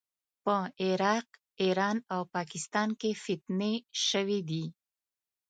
په عراق، ایران او پاکستان کې فتنې شوې دي.